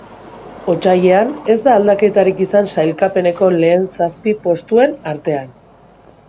Otsailean ez da aldaketarik izan sailkapeneko lehen zazpi postuen artean.